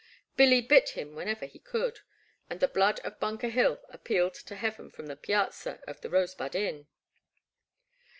Billy bit him whenever he could, and the blood of Bunker Hill appealed to Heaven from the piazza of the Rosebud Inn